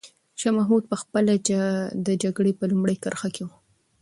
شاه محمود په خپله د جګړې په لومړۍ کرښه کې و.